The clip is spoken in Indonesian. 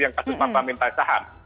yang kasus mampa minta saham